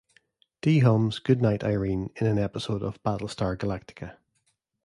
Dee hums "Goodnight Irene" in an episode of "Battlestar Galactica".